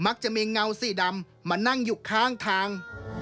จะมีเงาสีดำมานั่งอยู่ข้างทาง